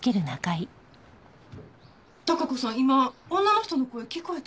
貴子さん今女の人の声聞こえた？